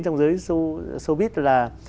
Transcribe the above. trong giới showbiz là